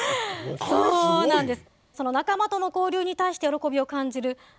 そうなんです。